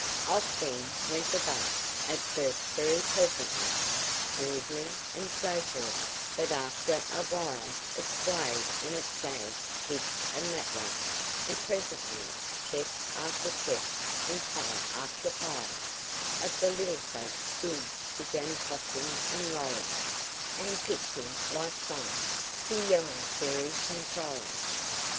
Off, then, went the boat, at first very pleasantly, Smoothly, and so forth; but after a while It swayed and it sagged this and that way, and presently Chest after chest, and pile after pile, Of the little folks' goods began tossing and rolling, And pitching like fun, beyond fairy controlling.